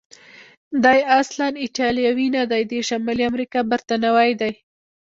دی اصلا ایټالوی نه دی، د شمالي امریکا برتانوی دی.